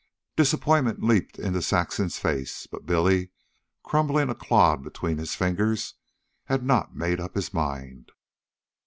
Disappointment leaped into Saxon's face, but Billy, crumbling a clod between his fingers, had not made up his mind.